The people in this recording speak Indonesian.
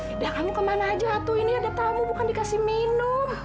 ibu kamu kemana saja atu ini ada tamu bukan dikasih minum